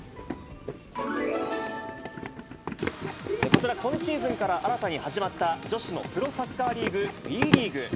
こちら、今シーズンから新たに始まった女子のプロサッカーリーグ、ＷＥリーグ。